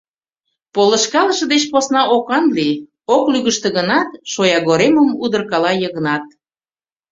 «Полышкалыше деч посна окан лий, — ок лӱгыштӧ гынат, шоягоремым удыркала Йыгнат.